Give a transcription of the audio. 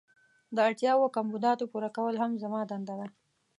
د اړتیاوو او کمبوداتو پوره کول هم زما دنده ده.